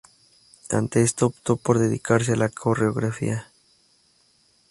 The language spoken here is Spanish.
Ante esto, optó por dedicarse a la coreografía.